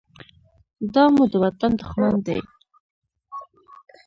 دا مو د وطن دښمن دى.